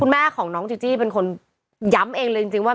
แม่ของน้องจีจี้เป็นคนย้ำเองเลยจริงว่า